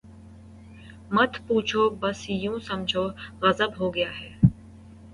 ”مت پوچھو بس یوں سمجھو، غضب ہو گیا ہے۔